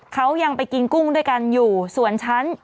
เขายังไปกินกุ้งด้วยกันอยู่ส่วนฉัน